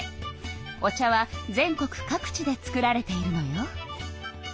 お茶は全国各地で作られているのよ。